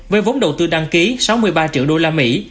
với vốn đầu tư đăng ký sáu mươi ba triệu đô la mỹ